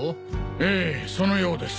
ええそのようです。